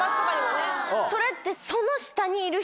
それって。